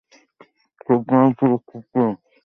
ঠিক যেন পুৎলাবজির দোদুল্যমান পুতুলগুলি মতো।